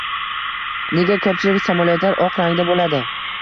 Nega koʻpchilik samolyotlar oq rangda boʻladi?